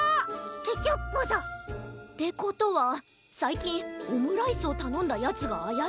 ケチャップだ！ってことはさいきんオムライスをたのんだヤツがあやしいな。